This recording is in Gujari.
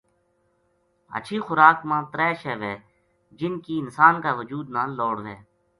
ہچھی خوراک ما ترے شے وھے جن کی انسان کا وجود نا لوڑ وھے